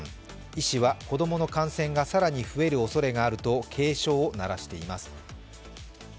医師は子供の感染が更に増えるおそれがあると警鐘を鳴らしています。